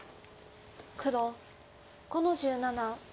黒５の十七ツギ。